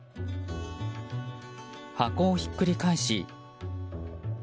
箱をひっくり返し。